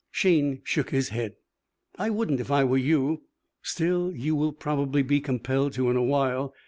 Shayne shook his head. "I wouldn't if I were you. Still, you will probably be compelled to in a while."